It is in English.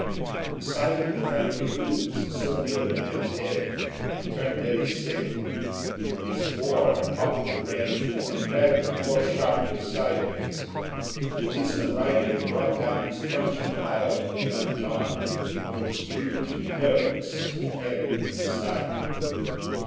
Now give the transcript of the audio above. The sight of the trampling hoofs so near the man's head turned Eddy sick; he swore and caught at the rein, and dragged the horse sharply sideways. The policeman riding it brought down his truncheon violently on his arm, which dropped nerveless and heavy at his side.